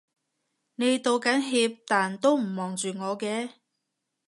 你道緊歉但都唔望住我嘅